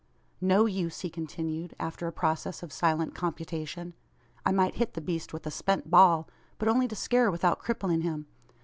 "No use," he continued, after a process of silent computation. "I might hit the beast with a spent ball, but only to scare without crippling him.